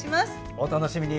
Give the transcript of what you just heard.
お楽しみに。